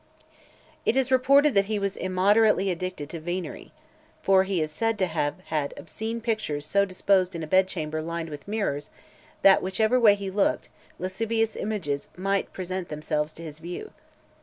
It is reported that he was immoderately addicted to venery. [For he is said to have had obscene pictures so disposed in a bedchamber lined with mirrors, that, whichever way he looked, lascivious images might present themselves to his view.